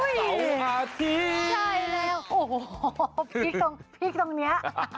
สาวอาทิตย์ใช่แล้วโอ้โหพลิกตรงเนี้ย